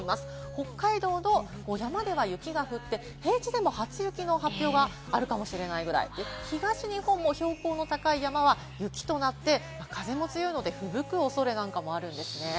北海道、山では雪が降って、平地でも初雪の発表があるかもしれないぐらい、東日本も標高の高い山は雪となって、風も強いので、吹雪く恐れなんかもありそうですね。